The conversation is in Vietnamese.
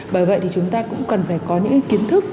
bởi vậy thì chúng ta cũng cần phải có những kiến thức